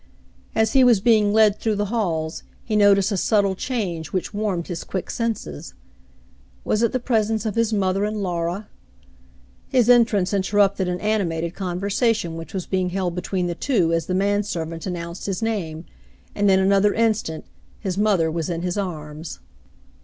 As he was being led through the halls, he ndticed a subtile change which warmed his quick senses. Was it the presence of his mother and Laura ? His entrance interrupted an animated conversa tion which was being held between the two as the man servant announced his name, and, in another instant, his mother was in his arms.